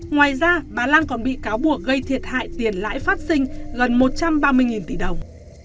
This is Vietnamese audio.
ngoài ra bà lan còn bị cáo buộc gây thiệt hại tiền lãi phát sinh gần một trăm ba mươi tỷ đồng